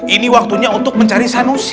ini waktunya untuk mencari sanusi